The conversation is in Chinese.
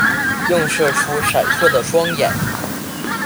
映射出闪烁的双眼